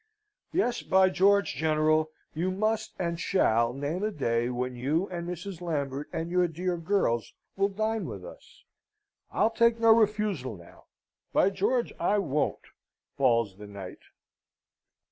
Yes, by George, General, you must and shall name a day when you and Mrs. Lambert, and your dear girls, will dine with us. I'll take no refusal now, by George I won't," bawls the knight.